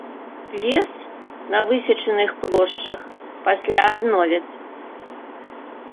Лес на высечаных плошчах пасля адновяць.